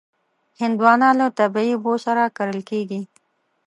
هندوانه له طبعي اوبو سره کرل کېږي.